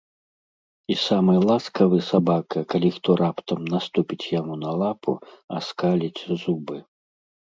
І самы ласкавы сабака, калі хто раптам наступіць яму на лапу, аскаліць зубы.